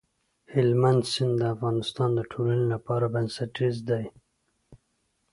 هلمند سیند د افغانستان د ټولنې لپاره بنسټيز دی.